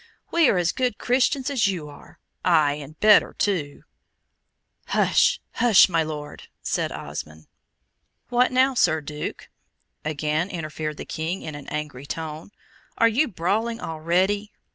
"We are as good Christians as you are ay, and better too." "Hush! hush! my Lord!" said Osmond. "What now, Sir Duke," again interfered the King, in an angry tone, "are you brawling already?